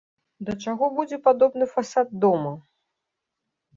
Да чаго будзе падобны фасад дома?